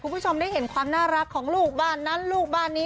คุณผู้ชมได้เห็นความน่ารักของลูกบ้านนั้นลูกบ้านนี้